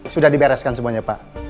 sudah dibereskan semuanya pak